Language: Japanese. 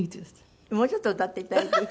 もうちょっと歌っていただいていい？